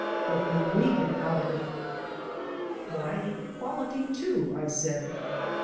What would we get out of it?" "Why, equality, too!" I said. Mr.